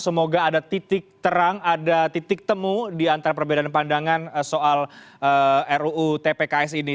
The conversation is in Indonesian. semoga ada titik terang ada titik temu di antara perbedaan pandangan soal ruu tpks ini